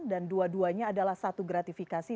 dan dua duanya adalah satu gratifikasi